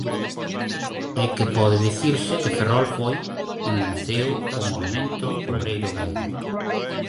É que pode dicirse que Ferrol foi onde naceu o movemento obreiro galego.